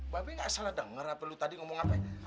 mami gak salah denger apa lo tadi ngomong apa